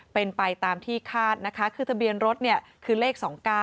เป็นไปตามที่คาดนะคะคือทะเบียนรถคือเลข๒๙